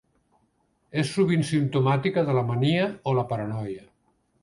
És sovint simptomàtica de la mania o la paranoia.